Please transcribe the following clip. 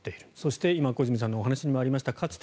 そして、小泉さんのお話にもありましたか